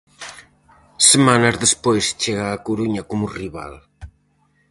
Semanas despois chega á Coruña como rival.